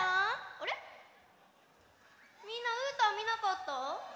みんなうーたんみなかった？